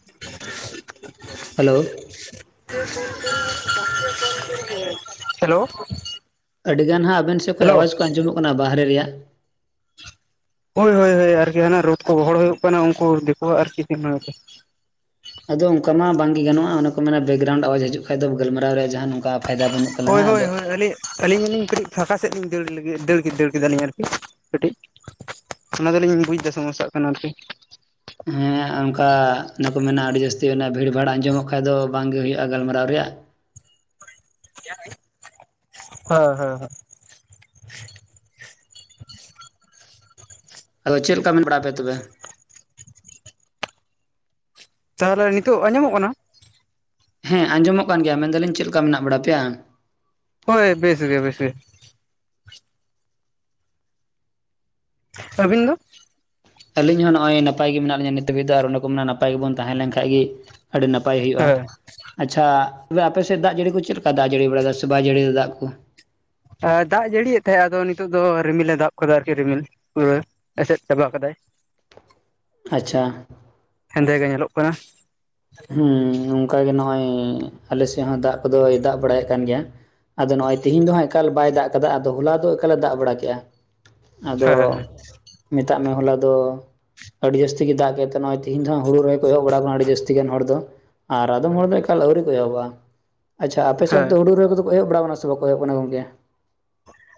[unintelligible] Hello hello ᱟᱹᱰᱤ ᱜᱟᱱ ᱦᱟᱸᱜ ᱟᱵᱮᱱ ᱥᱮᱫ ᱠᱷᱚᱱ ᱦᱮᱞᱳ ᱟᱣᱟᱡᱽ ᱠᱚ ᱟᱸᱡᱚᱢᱚᱜ ᱠᱟᱱᱟ ᱵᱟᱦᱨᱮ ᱨᱮᱭᱟᱜ ᱾ ᱦᱳᱭ ᱦᱳᱭ ᱦᱳᱭ ᱟᱨᱠᱤ ᱦᱟᱱᱟ ᱨᱳᱽ ᱠᱚ ᱵᱚᱦᱚᱲ ᱦᱩᱭᱩᱜ ᱠᱟᱱᱟ ᱩᱱᱠᱩ ᱫᱤᱠᱩᱣᱟᱜ ᱟᱨᱠᱤ ᱟᱫᱚ ᱚᱱᱠᱟ ᱢᱟ ᱵᱟᱝᱜᱮ ᱜᱟᱱᱚᱜᱼᱟ ᱚᱱᱟ ᱠᱚ ᱢᱮᱱᱟ ᱵᱮᱠᱜᱨᱟᱣᱩᱱᱰ ᱟᱣᱟᱡᱽ ᱦᱤᱡᱩᱜ ᱠᱷᱟᱱ ᱫᱚ ᱜᱟᱞᱢᱟᱨᱟᱣ ᱨᱮ ᱡᱟᱦᱟᱸ ᱱᱚᱝᱠᱟ, ᱯᱷᱟᱭᱫᱟ ᱵᱟᱹᱱᱩᱜ ᱦᱳᱭ ᱛᱟᱞᱟᱝᱟ ᱦᱳᱭ ᱟᱫᱚ ᱦᱳᱭ ᱟᱹᱞᱤ ᱟᱹᱞᱤᱧ ᱟᱹᱞᱤᱧ ᱠᱟᱹᱴᱤᱡ ᱯᱷᱟᱸᱠᱟ ᱥᱮᱫ ᱞᱤᱧ ᱫᱟᱹᱲ ᱫᱟᱹᱲ ᱫᱟᱹᱲ ᱠᱮᱫᱟᱞᱤᱧ ᱟᱨᱠᱤ ᱠᱟᱹᱴᱤᱡ, ᱚᱱᱟ ᱫᱚᱞᱤᱧ ᱵᱩᱡ ᱮᱫᱟ ᱥᱚᱢᱚᱥᱟᱜ ᱠᱟᱱᱟ ᱟᱨᱠᱤ, ᱦᱮᱸ [unintelligible] ᱚᱱᱠᱟ ᱚᱱᱟᱠᱚ ᱢᱮᱱᱟ ᱟᱹᱰᱤ ᱡᱟᱹᱥᱛᱤ ᱚᱱᱟ ᱵᱷᱤᱲᱼᱵᱷᱟᱲ ᱟᱸᱡᱚᱢᱚᱜ ᱠᱷᱟᱱ ᱫᱚ ᱵᱟᱝᱜᱮ ᱦᱩᱭᱩᱜᱼᱟ ᱜᱟᱞᱢᱟᱨᱟᱣ ᱨᱮᱭᱟᱜ ᱾ ᱦᱮᱸ ᱦᱮᱸ ᱦᱮᱸ ᱾ ᱟᱫᱚ ᱪᱮᱫ ᱞᱮᱠᱟ ᱢᱮᱱ ᱵᱟᱲᱟ ᱯᱮᱭᱟ ᱛᱚᱵᱮ? ᱛᱟᱦᱚᱞᱮ ᱱᱤᱛᱚᱜ ᱟᱸᱡᱚᱢᱚᱜ ᱠᱟᱱᱟ? ᱦᱮᱸ ᱟᱸᱡᱚᱢᱚᱜ ᱠᱟᱱ ᱜᱮᱭᱟ ᱢᱮᱱ ᱫᱟᱞᱤᱧ ᱪᱮᱫ ᱞᱮᱠᱟ ᱢᱮᱱᱟᱜ ᱵᱟᱲᱟ ᱯᱮᱭᱟ? ᱦᱳᱭ ᱵᱮᱥ ᱜᱮ ᱵᱮᱥ ᱜᱮ᱾ ᱨᱵᱤᱱ ᱫᱚ? ᱟᱹᱞᱤᱧ ᱦᱚᱸ ᱱᱚᱜᱼᱭ ᱱᱟᱯᱟᱭ ᱜᱮ ᱢᱮᱱᱟᱜ ᱞᱤᱧᱟᱹ ᱱᱤᱛ ᱦᱟᱹᱵᱤᱡ ᱫᱚ ᱟᱨ ᱚᱱᱟ ᱠᱚ ᱢᱮᱱᱟᱜ ᱱᱟᱯᱟᱭ ᱜᱮᱵᱚᱱ ᱛᱟᱸᱦᱮ ᱞᱮᱱ ᱠᱷᱟᱡ ᱜᱤ ᱟᱹᱰᱤ ᱱᱟᱯᱟᱭ ᱦᱩᱭᱩᱜᱼᱟ ᱦᱮᱸ ᱾ ᱟᱪᱪᱷᱟ ᱛᱚᱵᱮ ᱟᱯᱮᱥᱮᱫ ᱫᱟᱜ ᱡᱟᱹᱲᱤ ᱠᱚ ᱪᱮᱫ ᱞᱮᱠᱟ ᱫᱟᱜ ᱡᱟᱹᱲᱤ ᱵᱟᱲᱟᱮᱫᱟ ᱥᱮ ᱵᱟᱭ ᱡᱟᱹᱲᱤᱫᱟ ᱫᱟᱜ ᱠᱚ? ᱫᱟᱜ ᱡᱟᱹᱲᱤᱭᱮᱫ ᱛᱟᱦᱮᱸᱫ ᱟᱫᱚ ᱱᱤᱛᱚᱜ ᱫᱚ ᱨᱤᱢᱤᱞ ᱮ ᱫᱟᱵ ᱟᱠᱟᱫᱟ ᱟᱨᱠᱤ ᱨᱤᱢᱤᱞ ᱯᱩᱨᱟᱹ᱾ ᱮᱥᱮᱫ ᱪᱟᱵᱟᱜ ᱠᱟᱫᱟᱭ᱾ ᱟᱪᱪᱷᱟ᱾ ᱦᱮᱸᱫᱮ ᱜᱮ ᱧᱮᱞᱚᱜ ᱠᱟᱱᱟ᱾ ᱦᱮᱸ ᱚᱝᱠᱟᱜᱮ ᱱᱚᱜᱼᱚᱭᱻ ᱟᱞᱮ ᱥᱮᱫ ᱦᱚᱸ ᱫᱟᱜ ᱠᱚᱫᱚᱭ ᱫᱟᱜ ᱵᱟᱲᱟᱭᱮᱫ ᱠᱟᱱ ᱜᱮᱭᱟ᱾ ᱟᱫᱚ ᱱᱚᱜᱼᱚᱭ ᱛᱤᱦᱤᱧ ᱫᱚ ᱦᱟᱸᱜ ᱮᱠᱟᱞ ᱵᱟᱭ ᱫᱟᱜ ᱠᱟᱫᱟ ᱟᱫᱚ, ᱦᱚᱞᱟ ᱫᱚ ᱮᱠᱟᱞᱮ ᱫᱟᱜ ᱵᱟᱲᱟ ᱠᱮᱜᱼᱟ᱾ ᱟᱫᱚ ᱦᱮᱸ ᱦᱮᱸ ᱢᱮᱛᱟᱜ ᱢᱮ ᱦᱚᱞᱟ ᱫᱚᱻ ᱟᱹᱰᱤ ᱡᱟᱹᱥᱛᱤ ᱜᱮ ᱫᱟᱜ ᱠᱮᱫ ᱛᱮ ᱱᱚᱜᱼᱚᱭ ᱛᱤᱦᱮᱧ ᱫᱚ ᱦᱟᱸᱜ ᱦᱩᱲᱩ ᱨᱚᱦᱚᱭ ᱠᱚ ᱮᱦᱚᱵ ᱵᱟᱲᱟ ᱟᱠᱟᱱᱟ ᱟᱹᱰᱤ ᱡᱟᱹᱥ ᱛᱤᱜᱟᱱ ᱦᱚᱲ ᱫᱚ ᱟᱨ ᱟᱫᱚᱢ ᱦᱚᱲ ᱫᱚ ᱮᱠᱟᱞ ᱟᱹᱣᱨᱤ ᱠᱚ ᱮᱦᱚᱵᱚᱜᱼᱟ, ᱟᱪᱪᱷᱟ ᱟᱯᱮ ᱥᱱ ᱫᱚ ᱦᱮᱸ ᱦᱩᱲᱩ ᱨᱦᱚᱭ ᱠᱚᱫᱚ ᱠᱚ ᱮᱦᱚᱵ ᱵᱟᱲᱟᱣ ᱟᱠᱟᱱᱟ ᱥᱮ ᱵᱟᱠᱚ ᱮᱦᱚᱵ ᱠᱟᱱᱟ ᱜᱚᱢᱠᱮ?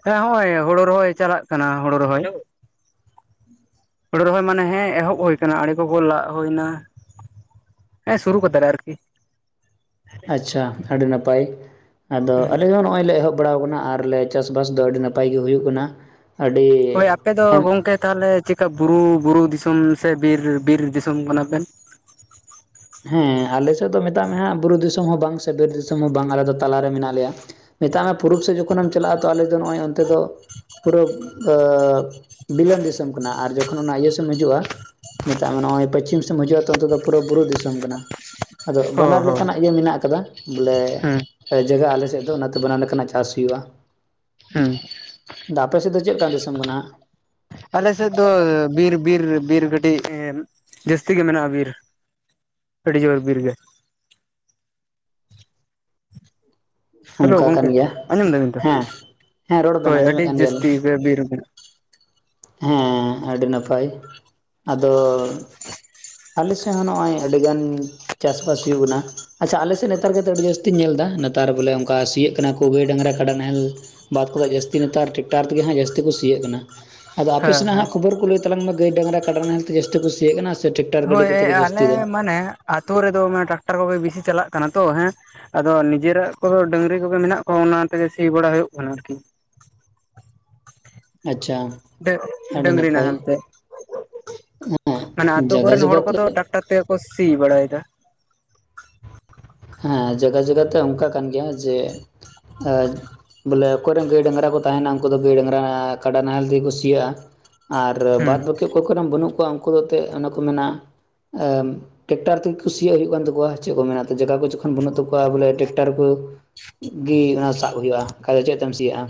ᱦᱮᱸ ᱦᱚᱜᱚᱭ ᱦᱳᱲᱳ ᱨᱚᱦᱚᱭ ᱪᱟᱞᱟᱜ ᱠᱟᱱᱟ, ᱦᱳᱲᱳ ᱨᱚᱦᱚᱭ᱾ ᱦᱳᱲᱩ ᱨᱦᱚᱭ ᱢᱟᱱᱮ ᱦᱮᱸ ᱮᱦᱚᱵ ᱦᱩᱭ ᱟᱠᱟᱱᱟ ᱟᱲᱮ ᱠᱚᱠᱚ ᱞᱟᱜ ᱦᱩᱭᱱᱟ᱾ ᱦᱮᱸ ᱥᱩᱨᱩ ᱠᱟᱫᱟᱞᱮ ᱟᱨᱠᱤ᱾ ᱟᱪᱪᱷᱟ ᱟᱹᱰᱤ ᱱᱟᱯᱟᱭ ᱟᱫᱚ ᱟᱞᱮ ᱦᱚᱸ ᱱᱚᱜᱼᱚᱭ ᱞᱮ ᱮᱦᱚᱵ ᱵᱟᱲᱟᱣ ᱟᱠᱟᱱᱟ ᱟᱨᱞᱮ ᱪᱟᱥᱵᱥ ᱫᱚ ᱟᱹᱰᱤ ᱱᱟᱯᱟᱭ ᱜᱮ ᱦᱩᱭᱩᱜ ᱠᱟᱱᱟ, ᱟᱹᱰᱤ ᱦᱳᱭ ᱟᱯᱮ ᱫᱚ ᱮᱢ ᱜᱚᱢᱠᱮ ᱛᱟᱦᱚᱞᱮ ᱪᱮᱠᱟ ᱵᱩᱨᱩ ᱵᱩᱨᱩ ᱫᱤᱥᱚᱢ ᱥᱮ ᱵᱤᱨ ᱵᱤᱨ ᱫᱤᱥᱚᱢ ᱠᱟᱱᱟ ᱵᱮᱱ? ᱦᱮᱸ ᱟᱞᱮ ᱥᱮᱫ ᱫᱚ ᱢᱮᱛᱟᱜ ᱢᱮ ᱦᱟᱸᱜ ᱵᱩᱨᱩ ᱫᱤᱥᱚᱢ ᱦᱚᱸ ᱵᱟᱝ ᱥᱮ ᱵᱤᱨ ᱫᱤᱥᱚᱢ ᱦᱚᱸ ᱵᱟᱝ ᱟᱞᱮ ᱫᱚ ᱛᱟᱞᱟ ᱨᱮ ᱢᱮᱱᱟᱜ ᱞᱮᱭᱟ᱾ ᱢᱮᱛᱟᱜ ᱢᱮ ᱯᱩᱨᱩᱵ ᱥᱮᱫ ᱡᱚᱠᱷᱚᱱᱮᱢ ᱪᱟᱞᱟᱜᱼᱟ ᱛᱚ ᱟᱞᱮ ᱫᱚ ᱱᱚᱜᱼᱚᱭ ᱚᱱᱛᱮ ᱫᱚ ᱯᱩᱨᱟᱹ ᱟᱻ ᱵᱤᱞᱚᱱ ᱫᱤᱥᱚᱢ ᱠᱟᱱᱟ ᱟᱨ ᱡᱚᱠᱷᱚᱱ ᱚᱱᱟ ᱤᱭᱟ ᱥᱮᱢ ᱦᱤᱡᱩᱜᱼᱟ ᱢᱮᱛᱟᱜ ᱢᱮ ᱱᱚᱜᱼᱚᱭ ᱯᱚᱥᱪᱷᱤᱢ ᱥᱮᱡ ᱦᱤᱡᱩᱜᱼᱟ ᱛᱚ ᱚᱱᱛᱮ ᱫᱚ ᱯᱩᱨᱟ ᱵᱩᱨᱩ ᱫᱤᱥ [unintelligible] ᱟᱫᱚ ᱦᱳᱭ ᱵᱟᱱᱟᱨ ᱦᱳᱭ ᱞᱮᱠᱟᱱᱟᱜ ᱜᱮ ᱢᱮᱱᱟᱜ ᱟᱠᱟᱫᱟ᱾ ᱵᱚᱞᱮ ᱦᱩᱸ ᱡᱟᱜᱟ ᱟᱞᱮᱥᱮᱫ ᱫᱚ ᱚᱱᱟᱛᱮ ᱵᱟᱱᱟᱨ ᱞᱮᱠᱟᱱᱟᱜ ᱪᱟᱥ ᱦᱩᱭᱩᱜᱼᱟ᱾ ᱦᱩᱸ ᱟᱫᱚ ᱟᱯᱮ ᱥᱮᱫ ᱫᱚ ᱪᱮᱫᱠᱟᱱ ᱫᱤᱥᱚᱢ ᱠᱟᱱᱟ? ᱟᱞᱮᱥᱮᱫ ᱫᱚ ᱵᱤᱨ ᱵᱤᱨ ᱵᱤᱨ ᱠᱟᱹᱴᱤᱡ ᱡᱟᱹᱥᱛᱤ ᱜᱮ ᱢᱮᱱᱟᱜᱼᱟ ᱵᱤᱨ᱾ ᱟᱹᱰᱤ ᱡᱚᱨ ᱵᱤᱨ ᱜᱮ᱾ ᱦᱮᱞᱳ ᱚᱱᱠᱟ ᱠᱟᱱ ᱜᱚᱝᱠᱮ ᱜᱮᱭᱟ ᱟᱸᱡᱚᱢ ᱫᱟᱵᱤᱱ ᱛᱚ ᱦᱮᱸ, ᱦᱮᱸ ᱨᱚᱲ ᱵᱮᱱ ᱦᱳᱭ ᱟᱹᱰᱤ ᱟᱸᱡᱚᱢᱮᱫ ᱠᱟᱱ ᱜᱮᱭᱟᱞᱤᱧ ᱡᱟᱹᱥᱛᱤ ᱾ ᱜᱮ ᱵᱤᱨ ᱢᱮᱱᱟᱜᱼᱟ ᱦᱮᱸ ᱟᱹᱰᱤ ᱱᱟᱯᱟᱭ, ᱟᱫᱚ ᱟᱞᱮ ᱥᱮᱫ ᱦᱚᱸ ᱱᱚ-ᱚᱭ ᱟᱹᱰᱤ ᱜᱟᱱ ᱪᱟᱥᱵᱟᱥ ᱦᱩᱭᱩᱜ ᱠᱟᱱᱟ ᱾ ᱟᱪᱪᱷᱟ ᱟᱞᱮ ᱥᱮᱫ ᱱᱮᱛᱟᱨ ᱜᱮᱛᱚ ᱟᱹᱰᱤ ᱡᱟᱹᱥᱛᱤᱧ ᱧᱮᱞ ᱮᱫᱟ ᱱᱮᱛᱟᱨ ᱵᱚᱞᱮ ᱚᱱᱠᱟ ᱥᱤᱭᱟᱹᱜ ᱠᱟᱱᱟ ᱠᱚ ᱜᱟᱹᱭ ᱰᱟᱝᱨᱟ ᱠᱟᱰᱟ ᱱᱟᱦᱮᱞ ᱵᱟᱫ ᱠᱚᱫᱚ ᱡᱟᱹᱥᱛᱤ ᱱᱮᱛᱟᱨ ᱴᱨᱮᱠᱴᱟᱨ ᱛᱮᱜᱮ ᱦᱟᱸᱜ ᱡᱟᱹᱥᱛᱤ ᱠᱚ ᱥᱤᱭᱟᱹᱜ ᱠᱟᱱᱟ ᱾ ᱟᱫᱚ ᱟᱯᱮ ᱦᱮᱸ ᱥᱮᱱᱟᱜ ᱦᱮᱸ ᱦᱟᱸᱜ ᱠᱷᱚᱵᱚᱨ ᱠᱚ ᱞᱟᱹᱭ ᱛᱟᱝ ᱢᱮ ᱜᱟᱹᱭ ᱰᱟᱝᱨᱟ ᱠᱟᱰᱟ ᱱᱟᱦᱮᱞ ᱛᱮ ᱡᱟᱹᱥᱛᱤ ᱠᱚ ᱥᱤᱭᱟᱹᱜ ᱠᱟᱱᱟ ᱥᱮ ᱴᱮᱠᱴᱟᱨ ᱜᱟᱹᱰᱤ ᱦᱳᱭ ᱠᱚᱛᱮ ᱜᱮ ᱡᱟᱹᱥᱛᱤ ᱟᱞᱮ ᱫᱚ ᱢᱟᱱᱮ ᱟᱛᱳ ᱨᱮᱫᱚ ᱴᱟᱠᱴᱟᱨ ᱠᱚᱵᱮ ᱵᱤᱥᱤ ᱪᱟᱞᱟᱜ ᱠᱟᱱᱟ ᱛᱚ ᱦᱮᱸ᱾ ᱟᱫᱚ ᱱᱤᱡᱮᱨᱟᱜ ᱠᱚ ᱰᱟᱹᱝᱨᱤ ᱠᱚᱜᱮ ᱢᱮᱱᱟᱜ ᱠᱚᱣᱟ ᱚᱱᱟᱛᱮᱜᱮ ᱥᱤ ᱵᱟᱲᱟ ᱦᱳᱭᱳᱜ ᱠᱟᱱᱟ ᱟᱨᱠᱤ᱾ ᱟᱪᱪᱷᱟ ᱰᱮ ᱟᱹᱰᱤ ᱰᱟᱹᱝᱨᱤ ᱱᱟᱯᱟᱭ ᱱᱟᱦᱮᱞ ᱛᱮ ᱢᱟᱱᱮ ᱦᱮᱸ ᱟᱛᱳ ᱡᱟᱭᱜᱟ ᱠᱚᱨᱮᱱ ᱡᱟᱭᱜᱟ ᱦᱚᱲ ᱛᱮ ᱠᱚᱫᱚ ᱴᱟᱠᱴᱟᱨ ᱛᱮᱜᱮ ᱠᱚ ᱥᱤ ᱵᱟᱲᱟᱭᱫᱟ ᱾ ᱦᱮᱸ ᱡᱟᱹᱜᱟ ᱡᱟᱹᱜᱟᱛᱮ ᱚᱱᱠᱟ ᱠᱟᱱ ᱜᱮᱭᱟ ᱡᱮ ᱮᱸ ᱵᱚᱞᱮ ᱚᱠᱚᱭ ᱨᱮᱱ ᱜᱟᱹᱭ ᱰᱟᱝᱨᱟ ᱠᱚ ᱛᱟᱦᱮᱱᱟ ᱩᱝᱠᱳ ᱫᱚ ᱜᱟᱹᱭ ᱰᱟᱝᱨᱟ ᱠᱟᱰᱟ ᱱᱟᱦᱮᱞ ᱛᱮᱜᱮ ᱠᱩ ᱥᱤᱭᱟᱜ-ᱟ, ᱟᱨ ᱦᱩᱸ ᱵᱟᱫᱽ ᱵᱟ ᱱᱤᱛᱚᱜ ᱚᱠᱚᱭ ᱠᱚᱨᱮᱢ ᱵᱟᱹᱱᱩᱜ ᱠᱚᱣᱟ ᱩᱝᱠᱳ ᱫᱚ ᱛᱮᱜ ᱚᱱᱮ ᱠᱚ ᱢᱮᱱᱟ ᱮ ᱴᱨᱮᱠᱴᱟᱨ ᱛᱤᱜᱤ ᱠᱩᱥᱤᱭᱟᱜ ᱦᱩᱭᱩᱜ ᱠᱟᱱ ᱛᱟᱠᱚᱣᱟ ᱪᱮᱷ ᱠᱚ ᱢᱮᱱᱟ ᱡᱟᱹᱜᱟ ᱠᱚ ᱡᱚᱠᱷᱚᱱ ᱵᱟᱹᱱᱩᱜ ᱛᱟᱠᱚᱣᱟ ᱵᱚᱞᱮ ᱴᱨᱮᱠ ᱴᱟᱨ ᱠᱩ ᱜᱤ ᱚᱱᱟ ᱥᱟᱵ ᱦᱩᱭᱩᱜ-ᱟ ᱵᱟᱠᱷᱟᱡ ᱫᱚ ᱪᱮᱜ ᱛᱮᱢ ᱥᱤᱭᱟᱹᱜ-ᱟ᱾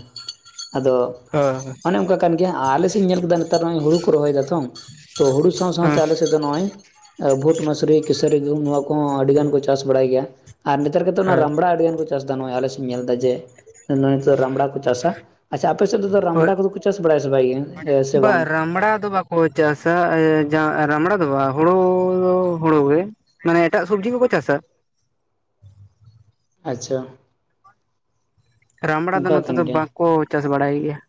ᱟᱫᱚ ᱦᱳᱭ ᱚᱱᱮ ᱚᱱᱠᱟ ᱠᱟᱱ ᱜᱮᱭᱟ ᱟᱞᱮ ᱥᱮᱜ ᱤᱧ ᱧᱮᱞ ᱠᱮᱫᱟ ᱱᱮᱛᱟᱨ ᱱᱚᱜ ᱚᱭ ᱦᱩᱲᱩ ᱠᱚ ᱨᱚᱦᱚᱭ ᱫᱟ ᱛᱚ᱾ ᱛᱚ ᱦᱩᱲᱩ ᱥᱟᱶ ᱥᱟᱶᱛᱮ ᱦᱳᱭ ᱟᱞᱮ ᱥᱮᱫ ᱫᱚ ᱱᱚᱜ-ᱚᱭ ᱵᱷᱩᱴ ᱢᱟᱹᱥᱨᱤ ᱠᱮᱥᱟᱹᱨᱤ ᱜᱩᱦᱩᱢ ᱱᱚᱣᱟ ᱠᱚᱦᱚᱸ ᱟᱹᱰᱤ ᱜᱟᱱ ᱠᱚ ᱪᱟᱥ ᱵᱟᱲᱟᱭ ᱜᱮᱭᱟ, ᱟᱨ ᱱᱮᱛᱟᱨ ᱜᱮᱛᱚ ᱱᱚᱣᱟ ᱦᱳᱭ ᱨᱟᱢᱲᱟ ᱟᱹᱰᱤᱜᱟᱱ ᱠᱚ ᱪᱟᱥᱫᱟ ᱱᱚ-ᱚᱭ ᱟᱞᱮ ᱥᱮᱧ ᱧᱮᱞ ᱫᱟ ᱡᱮ ᱱᱚᱜ-ᱚᱭ ᱱᱤᱛᱚᱜ ᱨᱟᱢᱲᱟ ᱠᱚ ᱪᱟᱥᱟ᱾ ᱟᱪᱪᱷᱟ ᱟᱯᱮ ᱥᱮᱫ ᱫᱚ ᱦᱳᱭ ᱨᱟᱢᱵᱲᱟ ᱠᱚᱫᱚ ᱠᱚ ᱪᱟᱥ ᱵᱟᱲᱟᱭᱟ ᱥᱮ ᱵᱟᱭ ᱜᱮ ᱦᱮᱸ ᱥᱮ ᱵᱟᱝ? ᱵᱟ ᱨᱟᱢᱲᱟ ᱫᱚ ᱵᱟᱠ ᱚ ᱪᱟᱥᱟ ᱮ ᱡᱟ ᱨᱟᱢᱲᱟ ᱫᱚ ᱵᱟ ᱦᱳᱲᱳ ᱦᱳᱲᱳ ᱜᱮ, ᱢᱟᱱᱮ ᱮᱴᱟᱜ ᱥᱩᱵᱽᱡᱤ ᱠᱚᱠᱚ ᱪᱟᱥᱟ᱾ ᱟᱪᱪᱷᱟ᱾ ᱨᱟᱢᱲᱟ ᱫᱚ ᱚᱱᱠᱟ ᱱᱚᱛᱮ ᱠᱟᱱ ᱫᱚ ᱜᱮᱭᱟ ᱵᱟᱠᱚᱸ ᱪᱟᱥ ᱵᱟᱲᱟᱭ ᱜᱮᱭᱟ ᱾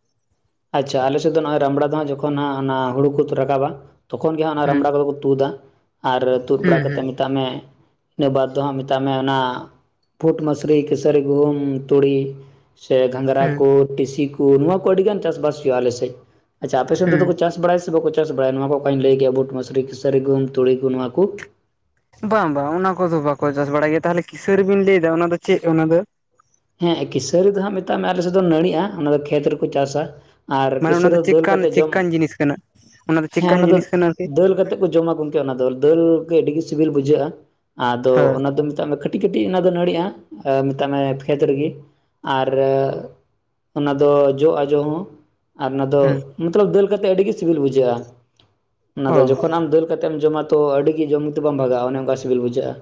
ᱟᱪᱪᱷᱟ ᱟᱞᱮ ᱥᱮᱫ ᱫᱚ ᱱᱚ-ᱚᱭ ᱨᱟᱢᱲᱟ ᱫᱚ ᱦᱟᱸᱜ ᱡᱚᱠᱷᱚᱱ ᱦᱟᱸᱜ ᱚᱱᱟ ᱦᱳᱲᱳ ᱠᱚ ᱛᱩ ᱨᱟᱠᱟᱵᱟ ᱛᱚᱠᱷᱚᱱ ᱜᱮ ᱦᱟᱸᱜ ᱚᱱᱟ ᱦᱩᱸ ᱨᱟᱢᱲᱟ ᱠᱚᱫᱚ ᱠᱚ ᱛᱩᱫᱟ ᱟᱨ ᱛᱩᱫ ᱦᱩᱸ ᱵᱟᱲᱟ ᱦᱩᱸ ᱠᱟᱛᱮᱫ ᱢᱮᱛᱟᱜ ᱢᱮ ᱤᱱᱟᱹ ᱵᱟᱫᱽ ᱫᱚ ᱦᱟᱸᱜ ᱢᱮᱛᱟᱜ ᱢᱮ ᱚᱱᱟ ᱯᱷᱩᱴ ᱢᱟᱹᱥᱨᱤ, ᱠᱤᱥᱟᱹᱨᱤ ᱜᱩᱦᱩᱢ, ᱛᱩᱲᱤ ᱥᱮ ᱜᱷᱟᱸᱝᱨᱟ ᱦᱩᱸ ᱠᱩ, ᱴᱤᱥᱤ ᱠᱩ ᱱᱚᱣᱟ ᱠᱚ ᱟᱹᱰᱤᱜᱟᱱ ᱪᱟᱥᱵᱟᱥ ᱦᱳᱭᱳᱜ-ᱟ ᱟᱞᱮ ᱥᱮᱡ᱾ ᱟᱪᱪᱷᱟ ᱟᱯᱮ ᱥᱮᱱ ᱛᱮ ᱫᱚ ᱦᱩᱸ ᱠᱚ ᱪᱟᱥ ᱵᱟᱲᱟᱭ-ᱟ ᱥᱮ ᱵᱟᱠᱩ ᱪᱟᱥ ᱵᱟᱲᱟᱭᱟ ᱱᱚᱣᱟ ᱠᱚ ᱚᱠᱟᱧ ᱞᱟᱹᱭ ᱠᱮᱭᱟ ᱵᱩᱴ ᱢᱟᱹᱥᱨᱤ ᱠᱤᱥᱟᱹᱨᱤ ᱜᱩᱦᱩᱢ, ᱛᱩᱲᱤ ᱠᱩ ᱱᱚᱣᱟ ᱠᱩ? ᱵᱟᱝ ᱵᱟᱝ ᱚᱱᱟ ᱠᱚᱫᱚ ᱵᱟᱠᱚ ᱪᱟᱥ ᱵᱟᱲᱟᱭ ᱜᱮᱭᱟ᱾ ᱛᱟᱦᱟᱞᱮ ᱠᱤᱥᱟᱹᱨᱤ ᱵᱤᱱ ᱞᱟᱹᱭᱫᱟ ᱚᱱᱟ ᱫᱚ ᱪᱮᱜ ᱚᱱᱟ ᱫᱚ? ᱦᱮᱸ ᱠᱤᱥᱟᱹᱨᱤ ᱫᱚ ᱦᱟᱸᱜ ᱢᱮᱛᱟᱜ ᱢᱮ ᱟᱞᱮ ᱥᱮᱫ ᱫᱚ ᱱᱟᱹᱲᱤᱜ-ᱟ ᱚᱱᱟ ᱫᱚ ᱠᱷᱮᱛ ᱨᱮᱠᱚ ᱪᱟᱥᱟ᱾ ᱟᱨ ᱢᱟᱱᱮ ᱚᱱᱟ ᱠᱤᱥᱟᱹᱨᱤ ᱫᱚ ᱫᱟᱹᱞ ᱪᱮᱫᱠᱟᱱ ᱠᱟᱛᱮᱫ ᱡᱚᱢ ᱪᱮᱫᱠᱟᱱ ᱡᱤᱱᱤᱥ ᱠᱟᱱᱟ ᱦᱮᱸ ᱪᱮᱫᱠᱟᱱ ᱚᱱᱟ ᱫᱚ ᱡᱤᱱᱤᱥ ᱠᱟᱱᱟ ᱟᱨᱠᱤ ᱫᱟᱹᱞ ᱠᱟᱛᱮ ᱡᱚᱢᱟ ᱜᱚᱝᱠᱮ ᱚᱱᱟ ᱫᱚ ᱫᱟᱹᱞ ᱜᱮ ᱟᱹᱰᱤ ᱜᱮ ᱥᱤᱵᱤᱞ ᱵᱩᱡᱷᱟᱹᱜ-ᱟ ᱟᱫᱚ ᱦᱮᱸ ᱚᱱᱟ ᱫᱚ ᱢᱮᱛᱟᱜ ᱢᱮ ᱠᱟᱹᱴᱤᱡ ᱠᱟᱹᱴᱤᱡ ᱚᱱᱟ ᱫᱚ ᱱᱟᱹᱲᱤᱜ-ᱟ, ᱢᱮᱛᱟᱜ ᱢᱮ ᱠᱷᱮᱛ ᱨᱤᱜᱤ ᱟᱨ ᱚᱱᱟ ᱫᱚ ᱡᱚᱜ-ᱟ ᱡᱚ ᱦᱚᱸ᱾ ᱟᱨ ᱚᱱᱟ ᱫᱚ ᱦᱩᱸ ᱢᱚᱛᱞᱚᱵ ᱫᱟᱹᱞ ᱠᱟᱛᱮᱫ ᱟᱹᱰᱤ ᱜᱤ ᱥᱤᱵᱤᱞ ᱵᱩᱡᱷᱟᱹᱜ-ᱟ, ᱚᱱᱟ ᱫᱚ ᱚ ᱡᱚᱠᱷᱚᱱ ᱟᱢ ᱫᱟᱹᱞ ᱠᱟᱛᱮᱢ ᱡᱚᱢᱟ ᱛᱚ ᱟᱹᱰᱤ ᱜᱤ ᱡᱚᱢ ᱛᱮ ᱵᱟᱢ ᱵᱷᱟᱜ-ᱟ ᱚᱱᱮ ᱚᱱᱠᱟ ᱥᱤᱵᱤᱞ ᱵᱩᱡᱷᱟᱹᱜ-ᱟ,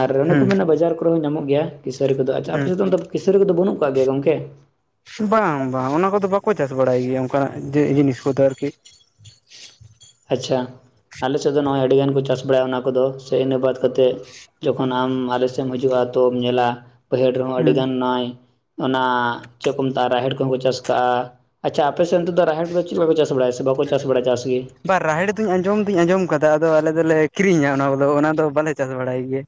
ᱟᱨ ᱚᱱᱮ ᱠᱚ ᱦᱩᱸ ᱢᱮᱱᱟ ᱵᱟᱡᱟᱨ ᱠᱚᱨᱮᱸ ᱦᱚᱸ ᱧᱟᱢᱚᱜ ᱜᱮᱭᱟ ᱠᱤᱥᱟᱹᱨᱤ ᱠᱚᱫᱚ ᱟᱪᱪᱷᱟ ᱦᱩᱸ ᱟᱯᱮ ᱥᱮᱫ ᱫᱚ ᱠᱤᱥᱟᱹᱨᱤ ᱠᱚᱫᱚ ᱵᱩᱹᱱᱩᱜ ᱠᱚᱜ ᱜᱮᱭᱟ ᱜᱚᱝᱠᱮ? ᱵᱟᱝ ᱵᱟᱝ ᱚᱱᱟ ᱠᱚᱫᱚ ᱵᱟᱠᱚ ᱪᱟᱥ ᱵᱟᱲᱟᱭ ᱜᱤᱭᱟ ᱚᱱᱠᱟ ᱡᱮ ᱡᱤᱱᱤᱥ ᱠᱚᱫᱚ ᱟᱨᱠᱤ ᱾ ᱟᱪᱪᱷᱟ ᱟᱞᱮ ᱥᱮᱫ ᱫᱚ ᱱᱚ-ᱚᱭ ᱟᱹᱰᱤ ᱜᱟᱱ ᱠᱚ ᱪᱟᱥ ᱵᱟᱲᱟᱭᱟ ᱚᱱᱟ ᱠᱚᱫᱚ, ᱥᱮ ᱤᱱᱟᱹ ᱵᱟᱫ ᱠᱟᱛᱮᱫ ᱡᱚᱠᱷᱚᱱ ᱟᱢ ᱟᱞᱮ ᱥᱮᱜ ᱮᱢ ᱦᱟᱹᱡᱩᱜ-ᱟ ᱛᱚᱢ ᱧᱮᱞᱟ ᱵᱟᱹᱭᱦᱟᱹᱲ ᱨᱮᱦᱚᱸ ᱟᱹᱰᱤ ᱦᱩᱸ ᱜᱟᱱ ᱱᱚᱭ ᱚᱱᱟ ᱪᱮᱜ ᱠᱚ ᱢᱮᱛᱟᱜ-ᱟ ᱨᱟᱦᱮᱲ ᱠᱚᱦᱚᱸ ᱠᱚ ᱪᱟᱥ ᱠᱟᱜ-ᱟ᱾ ᱟᱪᱪᱷᱟ ᱟᱯᱮ ᱥᱮᱫ ᱚᱱᱛᱮ ᱫᱚ ᱨᱟᱦᱮᱲ ᱠᱚᱫᱚ ᱪᱮᱫ ᱞᱮᱠᱟᱯᱮ ᱪᱟᱥ ᱵᱟᱲᱟᱭᱟ ᱥᱮ ᱵᱟᱠᱚ ᱪᱟᱥ ᱵᱟᱲᱟᱭᱟ ᱪᱟᱥ ᱜᱤ? ᱵᱟ ᱨᱟᱦᱮᱲ ᱫᱩᱧ ᱟᱸᱡᱚᱢ ᱫᱩᱧ ᱟᱸᱡᱚᱢ ᱠᱟᱫᱟ ᱟᱫᱚ ᱟᱞᱮ ᱫᱚᱞᱮ ᱠᱤᱨᱤᱧᱟ ᱚᱱᱟ ᱵᱚᱞ ᱚᱱᱟ ᱫᱚ ᱵᱟᱞᱮ ᱪᱟᱥ ᱵᱟᱲᱟᱭ ᱜᱮᱭᱟ᱾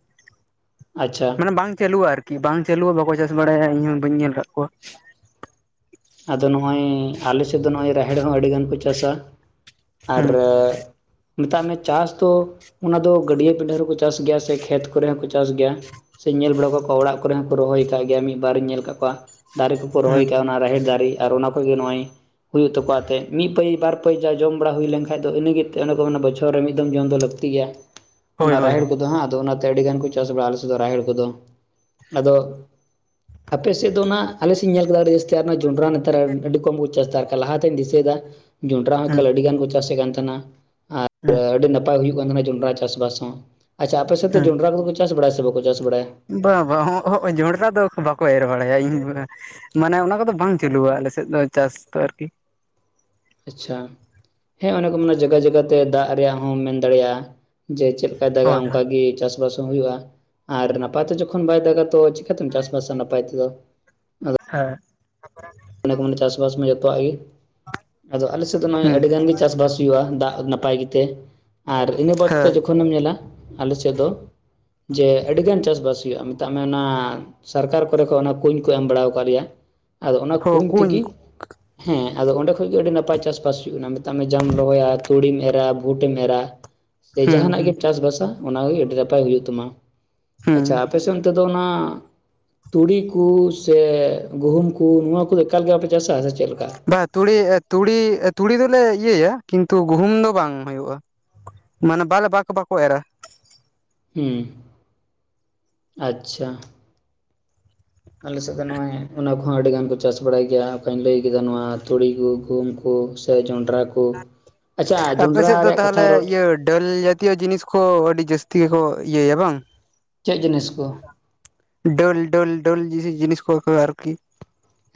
ᱟᱪᱪᱷᱟ [inaudible] ᱢᱟᱱᱮ ᱵᱟᱝ ᱪᱟᱹᱞᱩᱜᱼᱟ ᱟᱨᱠᱤ ᱵᱟᱝ ᱪᱟᱹᱞᱩᱼᱟ ᱵᱟᱠᱚ ᱪᱟᱥ ᱵᱟᱲᱟᱭᱟ ᱤᱧᱦᱚ ᱵᱟᱹᱧ ᱧᱮᱞ ᱠᱟᱫ ᱠᱚᱣᱟ᱾ ᱟᱫᱚ ᱱᱚᱜᱚᱭ ᱟᱞᱮ ᱥᱮᱫ ᱫᱚ ᱱᱚᱜᱚᱭ ᱨᱟᱦᱮᱲ ᱦᱚᱸ ᱟᱹᱰᱤ ᱜᱟᱱ ᱠᱚ ᱪᱟᱥᱟ ᱟᱨ ᱦᱩᱸ ᱢᱮᱛᱟᱜ ᱢᱮ ᱪᱟᱥ ᱫᱚ ᱚᱱᱟ ᱫᱚ ᱜᱟᱹᱰᱭᱟᱹ ᱯᱤᱱᱰᱟᱹ ᱨᱮᱦᱚᱠᱚ ᱪᱟᱥ ᱜᱮᱭᱟ ᱥᱮ ᱠᱷᱮᱛ ᱠᱚᱨᱮ ᱦᱚᱸᱠᱚ ᱪᱟᱥ ᱜᱮᱭᱟ ᱥᱮ ᱧᱮᱞ ᱵᱟᱲᱟ ᱠᱟᱜ ᱠᱚᱣᱟ ᱚᱲᱟᱜ ᱠᱚᱨᱮ ᱦᱚᱸᱠᱚ ᱨᱚᱦᱚᱭ ᱠᱟᱜ ᱜᱮᱭᱟ ᱢᱤᱫ ᱵᱟᱨᱤᱧ ᱧᱮᱞ ᱠᱟᱜ ᱠᱚᱣᱟ ᱫᱟᱨᱮ ᱠᱚᱠᱚ ᱨᱚᱦᱚᱭ ᱦᱩᱸ ᱠᱟᱜᱼᱟ ᱚᱱᱟ ᱨᱟᱦᱮᱲ ᱫᱟᱨᱮ ᱟᱨ ᱚᱱᱟ ᱠᱷᱚᱡᱜᱮ ᱱᱚᱜᱼᱚᱭ ᱦᱩᱭᱩᱜ ᱛᱟᱠᱚᱣᱟ ᱟᱛᱮ ᱢᱤᱫ ᱯᱟᱹᱭ ᱵᱟᱨ ᱯᱟᱹᱭ ᱡᱟ ᱡᱚᱢ ᱵᱟᱲᱟ ᱦᱩᱭ ᱞᱮᱱᱠᱷᱟᱡ ᱫᱚ ᱤᱱᱟᱹᱜᱤ ᱚᱱᱮ ᱠᱚ ᱢᱮᱱᱟ ᱵᱚᱪᱷᱚᱨ ᱨᱮ ᱢᱤᱫ ᱫᱚᱢ ᱡᱚᱢ ᱫᱚ ᱞᱟᱹᱠᱛᱤ ᱜᱮᱭᱟ [inaudible] ᱚᱱᱟ ᱨᱟᱦᱮᱲ ᱦᱳᱭ ᱠᱚᱫᱚ ᱦᱟᱸᱜ ᱟᱫᱚ ᱚᱱᱟᱛᱮ ᱟᱹᱰᱤ ᱜᱟᱱ ᱠᱚ ᱪᱟᱥ ᱵᱟᱲᱟᱭᱟ ᱟᱞᱮ ᱥᱮᱫ ᱫᱚ ᱨᱟᱦᱮᱲ ᱠᱚᱫᱚ ᱟᱫᱚ ᱟᱯᱮ ᱥᱮᱫ ᱫᱚ ᱚᱱᱟ ᱟᱞᱮ ᱥᱤᱧ ᱧᱮᱞ ᱠᱮᱫᱟ ᱟᱹᱰᱤ ᱡᱟᱹᱥᱛᱤ ᱟᱨ ᱚᱱᱟ ᱡᱚᱱᱰᱨᱟ ᱱᱮᱛᱟᱨ ᱟᱹᱰᱤ ᱠᱚᱢ ᱠᱚ ᱪᱟᱥᱫᱟ, ᱟᱨᱠᱷᱟᱡ ᱞᱟᱦᱟᱛᱮᱧ ᱫᱤᱥᱟᱹᱭᱫᱟ ᱡᱩᱱᱰᱨᱟ ᱦᱚᱸ ᱦᱩᱸ ᱠᱷᱟᱹᱞ ᱟᱹᱰᱤ ᱜᱟᱱ ᱠᱚ ᱪᱟᱥᱮᱫ ᱠᱟᱱ ᱛᱟᱦᱮᱸᱱᱟ ᱟᱨ ᱦᱩᱸ ᱟᱹᱰᱤ ᱱᱟᱯ ᱯᱟᱭ ᱦᱩᱭᱩᱜ ᱠᱟᱱ ᱛᱟᱦᱮᱸᱱᱟ ᱡᱚᱱᱰᱨᱟ ᱪᱟᱥᱵᱟᱥ ᱦᱚᱸ, ᱟᱪᱪᱷᱟ ᱟᱯᱮ ᱥᱮᱫ ᱫᱚ ᱡᱚᱱᱰᱨᱟ ᱠᱚᱫᱚ ᱠᱚ ᱪᱟᱥ ᱵᱟᱲᱟᱭᱟ ᱥᱮ ᱵᱟᱠᱚ ᱪᱟᱥ ᱵᱟᱲᱟᱭᱟ? ᱵᱟ ᱵᱟ ᱚᱸᱦᱚᱸᱜ ᱡᱚᱱᱰᱨᱟ ᱫᱚ ᱚᱠᱚ ᱵᱟᱠᱚ ᱮᱨ ᱵᱟᱲᱟᱭᱟ ᱤᱧ ᱵᱚᱨᱟ ᱢᱟᱱᱮ ᱚᱱᱟ ᱠᱚᱫᱚ ᱵᱟᱝ ᱪᱟᱹᱞᱩᱣᱟ ᱟᱞᱮ ᱥᱮᱫ ᱫᱚ ᱪᱟᱥ ᱫᱚ ᱟᱨᱠᱤ᱾ ᱟᱪᱪᱷᱟ, ᱦᱮᱸ ᱚᱱᱮ ᱠᱚ ᱢᱮᱱᱟ ᱡᱟᱜᱟ ᱡᱟᱜᱟ ᱛᱮ ᱫᱟᱜ ᱨᱮᱭᱟᱜ ᱦᱚᱸᱢ ᱢᱮᱱ ᱫᱟᱲᱮᱭᱟᱜᱼᱟ᱾ ᱡᱮ ᱪᱮᱫ ᱞᱮᱠᱟᱭ ᱫᱟᱜᱟ ᱦᱳᱭ ᱦᱳᱭ ᱚᱱᱠᱟᱜᱤ ᱪᱟᱥᱵᱟᱥ ᱦᱚᱸ ᱦᱩᱭᱩᱜᱼᱟ ᱟᱨ ᱱᱟᱯᱟᱭᱛᱮ ᱡᱚᱠᱷᱚᱱ ᱵᱟᱭ ᱫᱟᱜᱟ ᱛᱚ ᱪᱤᱠᱟᱹᱛᱮᱢ ᱪᱟᱥᱵᱟᱥᱟ ᱱᱟᱯᱟᱭ ᱛᱮᱫᱚ? ᱟᱫᱚ ᱦᱮᱸ᱾ ᱚᱱᱮ ᱠᱚ ᱢᱮᱱ ᱪᱟᱥᱵᱟᱥ ᱢᱟ ᱡᱚᱛᱚᱣᱟᱜ ᱜᱮ ᱟᱫᱚ ᱟᱞᱮᱥᱮᱫ ᱫᱚ ᱱᱚᱜᱼᱚᱭ ᱦᱮᱸ ᱟᱹᱰᱤ ᱜᱟᱱ ᱜᱮ ᱪᱟᱥᱵᱟᱥ ᱦᱩᱭᱩᱜᱼᱟ ᱫᱟᱜ ᱱᱟᱯᱟᱭ ᱜᱮᱛᱮ ᱟᱨ ᱤᱱᱟᱹ ᱵᱟᱫ ᱦᱮᱸ ᱠᱟᱛᱮᱫ ᱡᱚᱠᱷᱚᱱᱮᱢ ᱧᱮᱞᱟ ᱟᱞᱮ ᱥᱮᱫ ᱫᱚ ᱡᱮ ᱟᱹᱰᱤᱜᱟᱱ ᱪᱟᱥᱵᱟᱥ ᱦᱩᱭᱩᱜᱼᱟ ᱢᱮᱛᱟᱜ ᱢᱮ ᱚᱱᱟ ᱥᱟᱨᱠᱟᱨ ᱠᱚᱨᱮ ᱠᱷᱚᱡ ᱚᱱᱟ ᱠᱩᱧ ᱠᱚ ᱮᱢ ᱵᱟᱲᱟᱣ ᱟᱠᱟᱜ ᱞᱮᱭᱟ ᱟᱫᱚ ᱚᱱᱟ ᱠᱩᱧ ᱛᱤᱜᱤ ᱦᱮᱸ ᱟᱫᱚ ᱚᱸᱰᱮ ᱠᱷᱚᱡ ᱜᱮ ᱟᱹᱰᱤ ᱱᱟᱯᱟᱭ ᱪᱟᱥᱵᱟᱥ ᱦᱩᱭᱩᱜ ᱠᱟᱱᱟ ᱢᱮᱛᱟᱜ ᱢᱮ ᱡᱟᱢ ᱨᱚᱦᱚᱭᱟ ᱛᱩᱲᱤᱢ ᱮᱨᱟ ᱵᱷᱩᱴᱮᱢ ᱮᱨᱟ᱾ ᱥᱮ ᱦᱩᱸ ᱡᱟᱦᱟᱸᱱᱟᱜ ᱦᱩᱸ ᱜᱮᱢ ᱪᱟᱥᱵᱟᱥᱟ ᱚᱱᱟᱜᱮ ᱟᱹᱰᱤ ᱱᱟᱯᱟᱭ ᱦᱩᱭᱩᱜ ᱛᱟᱢᱟ ᱦᱩᱸ ᱟᱪᱪᱷᱟ ᱟᱯᱮᱥᱮᱫ ᱚᱱᱛᱮ ᱫᱚ ᱚᱱᱟ ᱛᱩᱲᱤ ᱠᱩ ᱥᱮ ᱜᱩᱦᱩᱢ ᱠᱩ ᱱᱚᱣᱟ ᱠᱩᱫᱚ ᱮᱠᱟᱞ ᱜᱮ ᱵᱟᱯᱮ ᱪᱟᱥᱟ ᱥᱮ ᱪᱮᱫᱞᱮᱠᱟ? ᱵᱟ ᱛᱩᱲᱤ ᱛᱩᱲᱤ ᱛᱩᱲᱤ ᱫᱚᱞᱮ ᱤᱭᱟᱹᱭᱟ ᱠᱤᱱᱛᱩ ᱜᱩᱦᱩᱢ ᱫᱚ ᱵᱟᱝ ᱦᱩᱭᱩᱜᱼᱟ᱾ ᱢᱟᱱᱮ ᱵᱟᱞᱮ ᱵᱟᱠᱚ ᱵᱟᱠᱚ ᱮᱨᱟ᱾ ᱦᱩᱸ, ᱟᱪᱪᱷᱟ᱾ ᱟᱞᱮ ᱥᱮᱫ ᱫᱚ ᱱᱚᱜᱼᱚᱭ ᱚᱱᱟ ᱠᱚᱦᱚᱸ ᱟᱹᱰᱤ ᱜᱟᱱ ᱠᱚ ᱪᱟᱥ ᱵᱟᱲᱟᱭ ᱜᱮᱭᱟ ᱦᱟᱸᱜ ᱚᱠᱟᱧ ᱞᱟᱹᱭ ᱠᱮᱫᱟ ᱱᱚᱣᱟ ᱛᱩᱲᱤ ᱠᱩ ᱜᱩᱦᱩᱢ ᱠᱩ ᱥᱮ ᱡᱚᱱᱰᱨᱟ ᱠᱩ ᱟᱯᱮ ᱥᱮᱫ ᱫᱚ ᱛᱟᱦᱚᱞᱮ ᱤᱭᱟᱹ ᱰᱟᱹᱞᱭᱟᱹᱠ ᱛᱤᱭᱳ ᱡᱤᱱᱤᱥ ᱠᱷᱳ ᱟᱹᱰᱤ ᱡᱟᱹᱥᱛᱤ ᱜᱮᱠᱚ ᱤᱭᱟᱹᱭᱟ ᱵᱟᱝ? ᱪᱮᱫ ᱡᱤᱱᱤᱥ ᱠᱚ ᱰᱟᱹᱞ ᱰᱟᱹᱞ ᱰᱟᱹᱞ ᱡᱤᱥᱤ ᱡᱤᱱᱤᱥ ᱠᱚ ᱚᱠᱚᱣᱟ ᱟᱨᱠᱤ᱾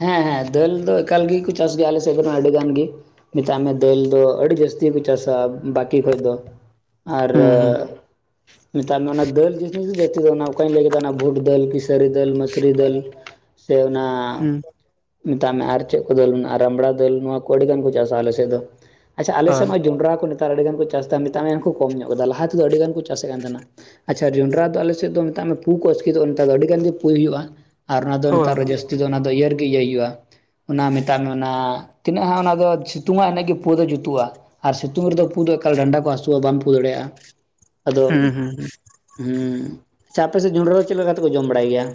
ᱦᱮᱸ ᱦᱮᱸ ᱫᱟᱹᱞ ᱫᱚ ᱮᱠᱟᱞ ᱜᱤᱠᱩ ᱪᱟᱥ ᱜᱮᱭᱟ ᱟᱞᱮ ᱥᱮᱫ ᱠᱷᱚᱱᱟᱜ ᱟᱹᱰᱤ ᱜᱟᱱ ᱜᱤ᱾ ᱢᱮᱛᱟᱜ ᱢᱮ ᱫᱟᱹᱞ ᱫᱚ ᱟᱹᱰᱤ ᱡᱟᱹᱥᱛᱤ ᱠᱚ ᱪᱟᱥᱟ ᱵᱟᱠᱤ ᱠᱷᱚᱡ ᱫᱚ᱾ ᱟᱨ, ᱦᱩᱸ ᱦᱩᱸ ᱢᱮᱛᱟᱜ ᱢᱮ ᱚᱱᱟ ᱫᱟᱹᱞ ᱡᱤᱱᱤᱥ ᱜᱤ ᱡᱟᱹᱥᱛᱤ ᱫᱚ ᱚᱱᱟ ᱚᱠᱟᱧ ᱞᱟᱹᱭ ᱠᱮᱫᱟ ᱚᱱᱟ ᱵᱷᱩᱴ ᱫᱟᱹᱞ ᱠᱤ ᱥᱟᱹᱨᱤ ᱫᱟᱹᱞ ᱢᱟᱹᱥᱨᱤ ᱫᱟᱹᱞ ᱥᱮ ᱚᱱᱟ ᱦᱩᱸ ᱢᱮᱛᱟᱜ ᱢᱮ ᱟᱨ ᱪᱮᱫ ᱠᱚ ᱫᱟᱹᱞ ᱢᱮᱱᱟᱜ ᱨᱟᱢᱲᱟ ᱫᱟᱹᱞ ᱱᱚᱣᱟ ᱠᱚ ᱟᱹᱰᱤᱜᱟᱱ ᱠᱚ ᱪᱟᱥᱟ ᱟᱞᱮ ᱥᱮᱫ ᱫᱚ᱾ ᱟᱪᱪᱷᱟ ᱟᱞᱮᱥᱮᱫ ᱦᱳᱭ ᱢᱚᱭ ᱡᱚᱱᱰᱨᱟ ᱠᱚ ᱱᱮᱛᱟᱨ ᱟᱹᱰᱤᱜᱟᱱ ᱠᱚ ᱪᱟᱥᱫᱟ ᱢᱮᱛᱟᱜ ᱢᱮ ᱱᱮᱛᱟᱨ ᱠᱚ ᱠᱚᱢ ᱧᱚᱜ ᱠᱟᱫᱟ ᱞᱟᱦᱟ ᱛᱮᱫᱚ ᱟᱹᱰᱤ ᱜᱟᱱ ᱠᱚ ᱪᱟᱥᱮᱫ ᱠᱟᱱ ᱛᱟᱦᱮᱸᱱᱟ᱾ ᱟᱪᱪᱷᱟ ᱡᱩᱱᱰᱨᱟ ᱫᱚ ᱟᱞᱮ ᱥᱮᱫ ᱫᱚ ᱢᱮᱛᱟᱜ ᱢᱮ ᱯᱩ ᱠᱚ ᱟᱥᱠᱤᱛᱚᱜᱼᱟ ᱱᱮᱛᱟᱨ ᱫᱚ ᱟᱹᱰᱤ ᱜᱟᱱ ᱜᱮ ᱯᱩᱭ ᱦᱩᱭᱩᱜᱼᱟ᱾ ᱟᱨ ᱚᱱᱟ ᱫᱚ ᱦᱳᱭ ᱱᱮᱛᱟᱨ ᱫᱚ ᱦᱳᱭ ᱡᱟᱹᱥᱛᱤ ᱫᱚ ᱚᱱᱟ ᱫᱚ ᱤᱭᱟᱹᱨ ᱜᱮ ᱤᱭᱟᱹᱭ ᱦᱩᱭᱩᱜᱼᱟ᱾ ᱚᱱᱟ ᱢᱮᱛᱟᱜ ᱢᱮ ᱚᱱᱟ ᱛᱤᱱᱟᱹᱜ ᱦᱟᱸᱜ ᱚᱱᱟ ᱫᱚ ᱥᱤᱛᱩᱝᱟ ᱤᱱᱟᱹᱜ ᱜᱮ ᱯᱩ ᱫᱚ ᱡᱩᱛᱩᱜᱼᱟ᱾ ᱟᱨ ᱥᱤᱛᱩᱝ ᱨᱮᱫᱚ ᱯᱩ ᱫᱚ ᱮᱠᱟᱞ ᱰᱟᱸᱰᱟ ᱠᱚ ᱦᱟᱹᱥᱩᱣᱟ ᱵᱟᱢ ᱯᱩ ᱫᱟᱲᱮᱭᱟᱜᱼᱟ᱾ ᱟᱫᱚ ᱦᱩᱸ ᱦᱩᱸ ᱦᱩᱸ ᱦᱩᱸ, ᱟᱪᱪᱷᱟ ᱟᱯᱮ ᱥᱮᱫ ᱡᱚᱱᱰᱨᱟ ᱫᱚ ᱪᱮᱫ ᱞᱮᱠᱟ ᱠᱟᱛᱮ ᱠᱚ ᱡᱚᱢ ᱵᱟᱲᱟᱭ ᱜᱮᱭᱟ?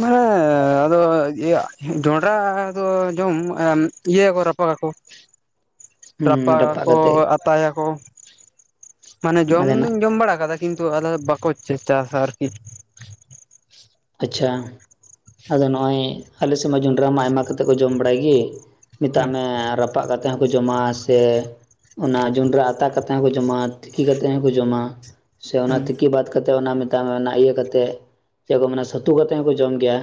ᱢᱟᱱᱮ ᱟᱫᱚ ᱤᱭᱟᱹ ᱡᱚᱱᱰᱨᱟ ᱫᱚ ᱡᱚᱢ ᱮᱢ ᱤᱭᱟᱹᱭᱟᱠᱚ ᱨᱟᱯ ᱯᱟ ᱜᱟᱠᱚ᱾ ᱦᱩᱸ ᱨᱟᱯᱟᱜᱟ ᱨᱟᱯᱟᱜ ᱠᱚ ᱠᱟᱛᱮᱫ ᱟᱛᱟᱭᱟᱠᱚ, ᱢᱟᱱᱮ ᱡᱚᱢ ᱟᱫᱮᱱᱟᱜ ᱫᱩᱧ ᱡᱚᱢ ᱵᱟᱲᱟ ᱠᱟᱫᱟ ᱠᱤᱱᱛᱩ ᱟᱞᱮ ᱵᱟᱠᱚ ᱪᱮ ᱪᱟᱥᱟ ᱟᱨᱠᱤ᱾ ᱟᱪᱪᱷᱟ ᱟᱫᱚ ᱱᱚᱜᱼᱚᱭ ᱟᱞᱮ ᱥᱮᱫ ᱢᱟ ᱡᱚᱱᱰᱨᱟ ᱢᱟ ᱟᱭᱢᱟ ᱠᱟᱛᱮ ᱠᱚ ᱡᱚᱢ ᱵᱟᱲᱟᱭ ᱜᱮ᱾ ᱢᱮᱛᱟᱜ ᱦᱩᱸ ᱢᱮ ᱨᱟᱯᱟᱜ ᱠᱟᱛᱮ ᱦᱚᱸᱠᱚ ᱡᱚᱢᱟ ᱥᱮ ᱚᱱᱟ ᱡᱚᱱᱰᱨᱟ ᱟᱛᱟ ᱠᱟᱛᱮ ᱦᱚᱸᱠᱚ ᱡᱚᱢᱟ ᱛᱤᱠᱤ ᱠᱟᱛᱮᱫ ᱦᱚᱸᱠᱚ ᱡᱚᱢᱟ᱾ ᱥᱮ ᱚᱱᱟ ᱦᱩᱸ ᱛᱤᱠᱤ ᱵᱟᱫ ᱠᱟᱛᱮᱫ ᱚᱱᱟ ᱢᱮᱛᱟᱜ ᱢᱮ ᱚᱱᱟ ᱤᱭᱟᱹ ᱠᱟᱛᱮᱫ ᱪᱮᱫ ᱠᱚ ᱢᱮᱱᱟ ᱥᱟᱹᱛᱩ ᱠᱟᱛᱮᱫ ᱦᱚᱸᱠᱚ ᱡᱚᱢ ᱜᱮᱭᱟ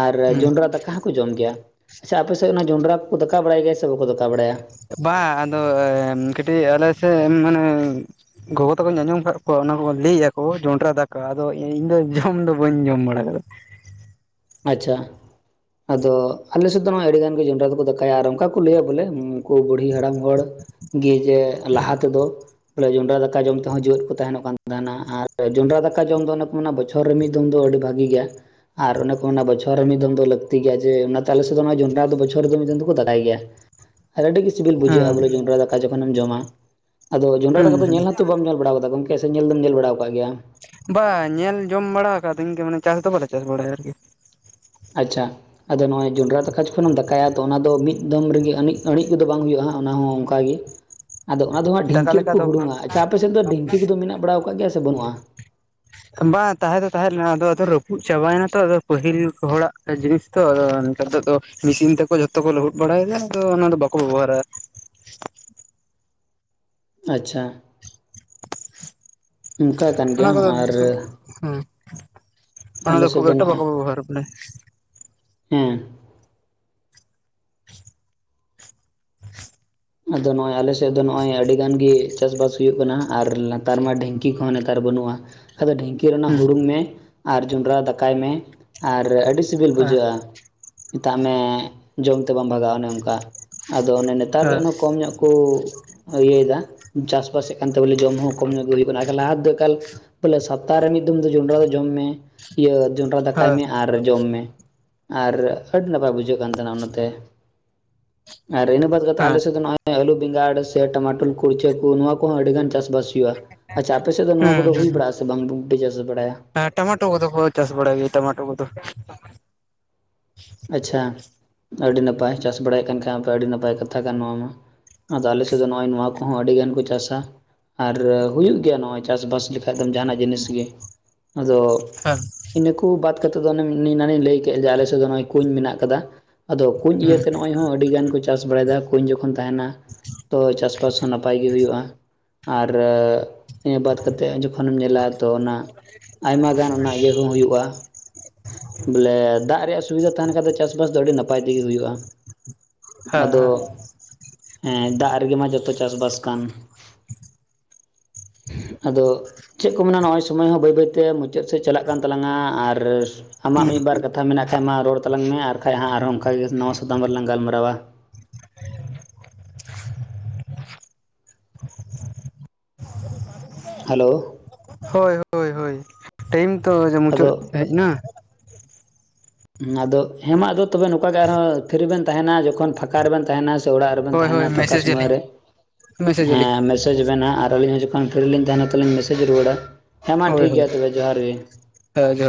ᱟᱨ ᱦᱩᱸ ᱡᱚᱱᱰᱨᱟ ᱫᱟᱠᱟ ᱠᱚ ᱡᱚᱢ ᱜᱮᱭᱟ, ᱟᱪᱪᱷᱟ ᱟᱯᱮ ᱥᱮᱫ ᱚᱱᱟ ᱡᱚᱱᱰᱨᱟ ᱠᱚᱠᱚ ᱫᱟᱠᱟ ᱵᱟᱲᱟᱭ ᱜᱮᱭᱟ ᱥᱮ ᱵᱟᱠᱚ ᱫᱟᱠᱟ ᱵᱟᱲᱟᱭᱟ? ᱵᱟ ᱟᱫᱚ ᱮᱢ ᱠᱟᱹᱴᱤᱡ ᱟᱞᱮ ᱥᱮᱫ ᱢᱟᱱᱮ ᱜᱚᱜᱚ ᱛᱟᱠᱚᱧ ᱟᱸᱡᱚᱢ ᱠᱟᱫ ᱠᱚᱣᱟ ᱚᱱᱟ ᱠᱚ ᱞᱟᱹᱭᱟ ᱠᱚ ᱡᱚᱱᱰᱨᱟ ᱫᱟᱠᱟ ᱟᱫᱚ ᱤᱧ ᱫᱚ ᱡᱚᱢ ᱫᱚ ᱵᱟᱹᱧ ᱡᱚᱢ ᱵᱟᱲᱟ ᱠᱟᱫᱟ᱾ ᱟᱪᱪᱷᱟ, ᱟᱫᱚ ᱟᱞᱮ ᱥᱮᱫ ᱫᱚ ᱱᱚᱜᱼᱚᱭ ᱟᱹᱰᱤᱜᱟᱱ ᱜᱮ ᱡᱚᱱᱰᱨᱟ ᱫᱚᱠᱚ ᱫᱟᱠᱟᱭᱟ ᱟᱨ ᱚᱱᱠᱟ ᱠᱚ ᱞᱟᱹᱭᱟ ᱵᱚᱞᱮ ᱠᱩ ᱵᱩᱲᱦᱤ ᱦᱟᱲᱟᱢ ᱦᱚᱲ ᱜᱮ ᱡᱮ ᱞᱟᱦᱟ ᱛᱮᱫᱚ ᱵᱚᱞᱮ ᱡᱚᱸᱰᱨᱟ ᱫᱟᱠᱟ ᱡᱚᱢ ᱛᱮᱦᱚᱸ ᱡᱮᱣᱮᱫ ᱠᱚ ᱛᱟᱦᱮᱸᱱᱚᱜ ᱠᱟᱱ ᱛᱟᱦᱮᱸᱱᱟ ᱟᱨ ᱡᱚᱸᱰᱨᱟ ᱫᱟᱠᱟ ᱡᱚᱢ ᱫᱚ ᱚᱱᱟᱠᱚ ᱢᱮᱱᱟ ᱵᱚᱪ ᱪᱚᱨ ᱨᱮ ᱢᱤᱫ ᱫᱚᱢ ᱫᱚ ᱟᱹᱰᱤ ᱵᱷᱟᱹᱜᱤ ᱜᱮᱭᱟ ᱟᱨ ᱚᱱᱮ ᱠᱚ ᱚᱱᱟ ᱵᱚᱪᱷᱚᱨ ᱨᱮ ᱢᱤᱫ ᱫᱚᱢ ᱫᱚ ᱞᱟᱹᱠᱛᱤ ᱜᱮᱭᱟ ᱡᱮ ᱚᱱᱟᱛᱮ ᱟᱞᱮ ᱥᱮᱫ ᱱᱚᱜᱼᱚᱭ ᱡᱚᱱᱰᱨᱟ ᱫᱚ ᱵᱚᱪᱷᱚᱨ ᱨᱮᱫᱚ ᱢᱤᱫ ᱫᱚᱢ ᱫᱚᱠᱚ ᱫᱟᱠᱟᱭ ᱜᱮᱭᱟ᱾ ᱟᱨ ᱟᱹᱰᱤᱜᱮ ᱥᱤᱵᱤᱞ ᱵᱩᱡᱷᱟᱹᱜᱼᱟ ᱟᱠᱟᱫᱟ ᱵᱚᱞᱮ ᱡᱚᱸᱱᱰᱨᱟ ᱫᱟᱠᱟ ᱡᱚᱠᱷᱚᱱᱮᱢ ᱡᱚᱢᱟ᱾ ᱟᱫᱚ ᱦᱮᱸ ᱡᱚᱱᱰᱨᱟ ᱦᱩᱸ ᱫᱟᱠᱟ ᱫᱚ ᱦᱩᱸ ᱧᱮᱞ ᱦᱚᱸᱛᱚ ᱵᱟᱢ ᱧᱮᱞ ᱵᱟᱲᱟᱣ ᱠᱟᱫᱟ ᱜᱚᱝᱠᱮ ᱥᱮ ᱧᱮᱞ ᱫᱚᱢ ᱧᱮᱞ ᱵᱟᱲᱟᱣ ᱠᱟᱜ ᱜᱮᱭᱟ? ᱵᱟ ᱧᱮᱞ ᱡᱚᱢ ᱵᱟᱲᱟ ᱟᱠᱟᱫᱟᱹᱧ ᱜᱮ ᱢᱟᱱᱮ ᱪᱟᱥ ᱫᱚ ᱵᱟᱞᱮ ᱪᱟᱥ ᱵᱟᱲᱟᱭᱟ ᱟᱨᱠᱤ᱾ ᱟᱪᱪᱷᱟ᱾ ᱟᱫᱚ ᱱᱚᱜᱼᱚᱭ ᱡᱚᱱᱰᱨᱟ ᱫᱟᱠᱟ ᱡᱚᱠᱷᱚᱡᱮᱢ ᱫᱟᱠᱟᱭᱟ ᱛᱚ ᱚᱱᱟ ᱫᱚ ᱢᱤᱫ ᱫᱚᱢ ᱨᱮᱜᱮ ᱟᱹᱱᱤᱡ ᱟᱹᱬᱤᱡ ᱠᱚᱫᱚ ᱵᱟᱝ ᱦᱩᱭᱩᱜᱼᱟ ᱦᱟᱸᱜ ᱚᱱᱟ ᱦᱚᱸ ᱚᱱᱠᱟ ᱜᱮ᱾ [inaudible] ᱟᱫᱚ ᱚᱱᱟ ᱫᱚ ᱦᱟᱸᱜ ᱫᱟᱠᱟ ᱰᱷᱤᱝᱠᱤ ᱞᱮᱠᱟ ᱨᱮᱠᱚ ᱫᱚ ᱵᱟᱝ ᱦᱩᱲᱩᱝᱼᱟ, ᱟᱪᱪᱷᱟ ᱟᱯᱮ ᱥᱮᱫ ᱫᱚ ᱰᱷᱤᱝᱠ ᱠᱚᱫᱚ ᱢᱮᱱᱟᱜ ᱵᱟᱲᱟᱣ ᱟᱠᱟᱫ ᱜᱮᱭᱟ ᱥᱮ ᱵᱟᱹᱱᱩᱜᱼᱟ? ᱵᱟᱝ ᱛᱟᱦᱮᱸ ᱫᱚ ᱛᱟᱦᱮᱸᱜ ᱞᱮᱱᱟ ᱟᱫᱚ ᱟᱫᱚ ᱨᱟᱹᱯᱩᱫ ᱪᱟᱵᱟᱭᱱᱟ ᱛᱚ ᱟᱫᱚ ᱯᱟᱹᱦᱤᱞ ᱦᱚᱲᱟᱜ ᱡᱤᱱᱤᱥ ᱛᱚ ᱟᱫᱚ ᱱᱮᱛᱟᱨ ᱫᱚ ᱟᱫᱚ ᱢᱤᱥᱤᱱ ᱛᱮᱠᱚ ᱡᱷᱚᱛᱚ ᱠᱚ ᱞᱟᱹᱦᱩᱫ ᱵᱟᱲᱟᱭᱮᱫᱟ ᱟᱫᱚ ᱚᱱᱟ ᱫᱚ ᱵᱟᱠᱚ ᱵᱮᱵᱚᱦᱟᱨᱟ᱾ ᱟᱪᱪᱷᱟ᱾ ᱚᱱᱠᱟ ᱠᱟᱱ ᱚᱱᱟ ᱜᱮᱭᱟ ᱠᱚᱫᱚ ᱟᱨ ᱦᱮᱸ ᱚᱱᱟ ᱟᱞᱮ ᱫᱚ ᱥᱮᱫ ᱠᱷᱩᱵ ᱮᱠᱴᱟ ᱵᱟᱠᱚ ᱱᱚᱜᱼᱚᱭ ᱵᱮᱵᱚᱦᱟᱨᱟ ᱵᱚᱞᱮ᱾ ᱦᱮᱸ᱾ ᱟᱫᱚ ᱱᱚᱜᱼᱚᱭ ᱟᱞᱮ ᱥᱮᱫ ᱫᱚ ᱱᱚᱜᱚᱭ ᱟᱹᱰᱤᱜᱟᱱ ᱜᱮ ᱪᱟᱥᱵᱟᱥ ᱦᱩᱭᱩᱜ ᱠᱟᱱᱟ ᱦᱟᱸᱜ᱾ ᱟᱨ ᱞᱟᱛᱟᱨ ᱢᱟ ᱰᱷᱤᱝᱠᱤ ᱠᱚᱦᱚᱸ ᱱᱮᱛᱟᱨ ᱵᱟᱹᱱᱩᱜᱼᱟ ᱟᱫᱚ ᱰᱷᱤᱝᱠᱤ ᱨᱮ ᱚᱱᱟ ᱦᱮᱸ ᱦᱩᱲᱩᱝ ᱢᱮ ᱟᱨ ᱡᱚᱸᱰᱨᱟ ᱫᱟᱠᱟᱭ ᱢᱮ ᱟᱨ ᱟᱹᱰᱤ ᱥᱤᱵᱤᱞ ᱵᱩᱡᱷᱟᱹᱜᱼᱟ᱾ ᱢᱮᱛᱟᱜ ᱢᱮ ᱡᱚᱢ ᱛᱮ ᱵᱟᱢ ᱵᱷᱟᱜᱟᱜᱼᱟ ᱚᱱᱮ ᱚᱱᱠᱟ ᱟᱫᱚ ᱚᱱᱮ ᱱᱮᱛᱟᱨ ᱫᱚ ᱦᱮᱸ ᱮᱱᱦᱚ ᱧᱚᱜ ᱠᱚ ᱤᱭᱟᱹᱭᱮᱫᱟ ᱪᱟᱥᱵᱟᱥᱮᱜ ᱠᱟᱱᱛᱮ ᱵᱚᱞᱮ ᱡᱚᱢ ᱦᱚᱸ ᱠᱚᱢ ᱧᱚᱜ ᱜᱮ ᱦᱩᱭᱩᱜ ᱠᱟᱱᱟ ᱟᱠᱷᱟᱱ ᱞᱟᱦᱟ ᱛᱮᱫᱚ ᱮᱠᱟᱞ ᱵᱚᱞᱮ ᱥᱟᱯᱛᱟᱦᱚ ᱨᱮ ᱢᱤᱫ ᱫᱚᱢ ᱫᱚ ᱡᱚᱱᱰᱨᱟ ᱫᱚ ᱡᱚᱢ ᱢᱮ, ᱤᱭᱟᱹ ᱡᱚᱱᱰᱨᱟ ᱫᱟᱠᱟᱭ ᱢᱮ ᱟᱨ ᱡᱚᱢ ᱢᱮ ᱟᱨ ᱟᱹᱰᱤ ᱱᱟᱯᱟᱭ ᱵᱩᱡᱷᱟᱹᱜ ᱠᱟᱱ ᱛᱟᱦᱮᱸᱱᱟ ᱚᱱᱟᱛᱮ᱾ ᱟᱫᱚ ᱤᱱᱟᱹ ᱵᱟᱫᱽ ᱠᱟᱛᱮ ᱟᱞᱮ ᱦᱮᱸ ᱦᱮᱸ ᱥᱮ ᱟᱫᱚ ᱱᱚᱜᱼᱚᱭ ᱟᱹᱞᱩ, ᱵᱮᱸᱜᱟᱲ ᱥᱮ ᱴᱟᱢᱟᱴᱳᱞ ᱠᱚ ᱠᱩᱪᱪᱟᱹ ᱠᱚ ᱱᱚᱣᱟ ᱠᱚᱦᱚᱸ ᱟᱹᱰᱤ ᱜᱟᱱ ᱪᱟᱥᱵᱟᱥ ᱦᱤᱭᱩᱜᱼᱟ᱾ ᱟᱪᱪᱷᱟ ᱟᱯᱮ ᱥᱮᱫ ᱫᱚ ᱱᱚᱣᱟ ᱦᱮᱸ ᱠᱚᱫᱚ ᱦᱮᱸ ᱦᱩᱭ ᱵᱟᱲᱟᱜ-ᱟ ᱥᱮ ᱵᱟᱝ ᱵᱩᱰᱷ ᱯᱮ ᱪᱟᱥ ᱵᱟᱲᱟᱭᱟ? ᱦᱮᱸ ᱴᱚᱢᱟᱴᱳ ᱠᱚᱫᱚ ᱠᱚ ᱪᱟᱥ ᱵᱟᱲᱟᱭ ᱜᱮᱭᱟ ᱴᱚᱢᱟᱴᱳ ᱠᱚᱫᱚ᱾ ᱟᱪᱪᱷᱟ ᱟᱹᱰᱤ ᱱᱟᱯᱟᱭ ᱪᱟᱥ ᱵᱟᱲᱟᱭᱮᱫ ᱠᱟᱱ ᱠᱷᱟᱡ ᱟᱯᱮ ᱟᱹᱰᱤ ᱱᱟᱯᱟᱭ ᱠᱟᱛᱷᱟ ᱠᱟᱱᱟ ᱱᱚᱣᱟ ᱢᱟ᱾ ᱟᱫᱚ ᱟᱞᱮ ᱥᱮᱫ ᱫᱚ ᱱᱚᱜᱼᱚᱭ ᱱᱚᱣᱟ ᱠᱚᱦᱚᱸ ᱟᱹᱰᱤ ᱜᱟᱱ ᱠᱚ ᱪᱟᱥᱟ ᱟᱨ ᱦᱩᱭᱩᱜ ᱜᱮᱭᱟ ᱱᱚᱜᱼᱚᱭ ᱪᱟᱥᱼᱵᱟᱥ ᱞᱮᱠᱷᱟᱡ ᱫᱚ ᱡᱟᱦᱟᱱᱟᱜ ᱡᱤᱱᱤᱥ ᱜᱮ ᱟᱫᱚ ᱦᱮᱸ ᱤᱱᱟᱹ ᱠᱩ ᱵᱟᱫᱽ ᱠᱟᱛᱮᱫ ᱫᱚ ᱚᱱᱮ ᱤᱱᱟᱝ ᱤᱧ ᱞᱟᱹᱭ ᱠᱮᱜ-ᱟ ᱡᱮ ᱟᱞᱮ ᱥᱮᱫ ᱫᱚ ᱱᱚᱜ-ᱚᱭ ᱠᱩᱸᱧ ᱢᱮᱱᱟᱜ ᱟᱠᱟᱫᱟ ᱟᱫᱚ ᱠᱩᱧ ᱦᱮᱸ ᱤᱭᱟᱹᱛᱮᱱᱚᱜᱼᱼ ᱱᱚᱜ ᱚᱭ ᱦᱚᱸ ᱟᱹᱰᱤ ᱜᱟᱱ ᱠᱚ ᱪᱟᱥ ᱵᱟᱲᱟᱭᱮᱫᱟ ᱠᱩᱧ ᱡᱚᱠᱷᱚᱱ ᱛᱟᱦᱮᱸᱱᱟ ᱛᱚ ᱪᱟᱥᱵᱟᱥ ᱦᱚᱸ ᱱᱟᱯᱟᱭ ᱜᱮ ᱦᱩᱭᱩᱜᱼᱟ᱾ ᱟᱨᱟ. ᱻ ᱤᱱᱟᱹ ᱵᱟᱫᱷ ᱠᱟᱛᱮᱫ ᱦᱚᱸ ᱡᱚᱠᱷᱚᱱᱮᱢ ᱧᱮᱞᱟ ᱛᱚ ᱚᱱᱟ ᱟᱭᱢᱟ ᱜᱟᱱ ᱚᱱᱟ ᱤᱭᱟᱹ ᱦᱚᱸ ᱦᱤᱭᱩᱜᱼᱟ᱾ ᱵᱚᱞᱮ ᱫᱟᱜ ᱨᱮᱭᱟᱜ ᱥᱩᱵᱤᱫᱷᱟ ᱛᱟᱦᱮᱱ ᱠᱷᱟᱱ ᱫᱚ ᱪᱟᱥᱵᱟᱥ ᱫᱚ ᱟᱹᱰᱤ ᱱᱟᱯᱟᱭ ᱛᱮᱜᱮ ᱦᱩᱭᱩᱜᱼᱟ᱾ ᱟᱫᱚ ᱦᱮᱸ ᱦᱮᱸ ᱫᱟᱜ ᱨᱮᱜᱮ ᱢᱟ ᱡᱚᱛᱚ ᱪᱟᱥᱼᱵᱟᱥ ᱠᱟᱱ ᱵᱟᱝ ᱟᱸᱡᱚᱢᱚᱜ ᱠᱟᱱᱟ ᱾ ᱟᱫᱚ ᱪᱮᱫ ᱠᱚ ᱢᱮᱱᱟ ᱱᱚᱜᱼᱚᱭ ᱥᱚᱢᱚᱭ ᱦᱚᱸ ᱵᱟᱹᱭ-ᱵᱟᱹᱭᱛᱮ ᱢᱩᱪᱟᱹᱫ ᱥᱮᱫ ᱪᱟᱞᱟᱜ ᱠᱟᱱ ᱛᱟᱞᱟᱝᱟ ᱟᱨᱻᱼᱼ ᱟᱢᱟᱜ ᱦᱮᱸ ᱦᱩᱸ ᱢᱤᱫ ᱵᱟᱨ ᱠᱟᱛᱷᱟ ᱢᱮᱱᱟᱜ ᱠᱷᱟᱡ ᱢᱟ ᱨᱚᱲ ᱛᱟᱞᱟᱝ ᱢᱮ ᱟᱨᱠᱷᱟᱡ ᱦᱟᱸᱜ ᱟᱨᱚ ᱚᱱᱠᱟᱜᱮ ᱱᱟᱣᱟ ᱥᱟᱛᱟᱢ ᱨᱮᱞᱟᱝ ᱜᱟᱞᱢᱟᱨᱟᱣᱟ᱾ ᱦᱮᱞᱳ ᱦᱳᱭ-ᱦᱳᱭ-ᱦᱳᱭ ᱴᱟᱭᱤᱢ ᱛᱚ ᱡᱮ ᱢᱩᱪᱟᱹᱫ ᱟᱫᱚ ᱦᱮᱡ ᱮᱱᱟ ᱟᱫᱚ ᱦᱮᱸ ᱢᱟ ᱟᱫᱚ ᱛᱚᱵᱮ ᱱᱚᱝᱠᱟ ᱜᱮ ᱟᱨᱦᱚᱸ ᱯᱷᱤᱨᱤ ᱵᱮᱱ ᱛᱟᱦᱮᱸᱱᱟ ᱡᱚᱠᱷᱚᱱ ᱯᱷᱟᱸᱠᱟ ᱨᱮᱵᱮᱱ ᱛᱟᱦᱮᱱᱟ ᱥᱮ ᱚᱲᱟᱜ ᱨᱮᱵᱮᱱ ᱦᱳᱭ ᱦᱳᱭ ᱛᱟᱦᱮᱸᱱᱟ ᱯᱷᱟᱠᱟ ᱢᱮᱥᱮᱡ ᱥᱚᱢᱚᱭ ᱟᱹᱞᱤᱧ ᱨᱮ ᱢᱮᱥᱮᱡ ᱟᱹᱞᱤᱧ ᱦᱮᱸ ᱢᱮᱥᱮᱡᱽ ᱵᱮᱱ ᱦᱟᱸᱜ ᱟᱨ ᱟᱹᱞᱤᱧᱼᱼ ᱨᱤᱞᱤᱧ ᱛᱟᱦᱮᱱᱟ ᱛᱚ ᱞᱤᱧ ᱢᱮᱥᱮᱡᱽ ᱨᱩᱣᱟᱹᱲᱟ ᱦᱮᱸ ᱢᱟ ᱴᱷᱤᱠ ᱜᱮᱭᱟ ᱛᱚᱵᱮ ᱡᱚᱦᱟᱨ ᱜᱮ ᱵᱟᱝ ᱟᱸᱡᱚᱢᱚ ᱴᱷᱤᱠᱟᱹᱜ ᱠᱟᱱᱟ ᱾